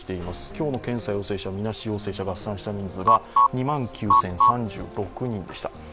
今日の検査陽性者、みなし陽性者合算した人数が２万９０３６人でした。